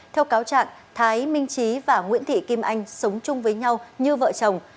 theo cáo trạng thái minh trí và nguyễn thị kim anh sống chung với nhau như vợ chồng